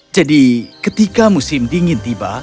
jadi ketika musim dingin tiba